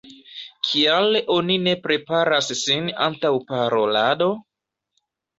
Kial oni ne preparas sin antaŭ parolado?